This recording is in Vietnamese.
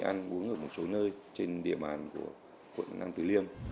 cô gái đi ăn uống ở một số nơi trên địa bàn của quận nam tứ liêm